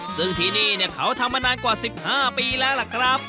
ซึ่งที่นี่เขาทำมานานกว่า๑๕ปีแล้วล่ะครับ